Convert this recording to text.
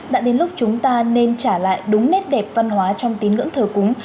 đã đến lúc chúng ta nên trả lại đúng nét đẹp văn hóa trong tín ngưỡng thờ cúng